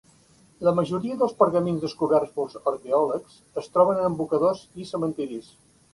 La majoria dels pergamins descoberts pels arqueòlegs es troben en abocadors i cementiris.